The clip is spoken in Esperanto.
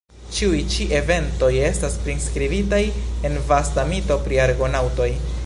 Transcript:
Ĉiuj ĉi eventoj estas priskribitaj en vasta mito pri Argonaŭtoj.